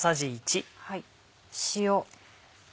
塩。